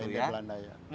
iya india belanda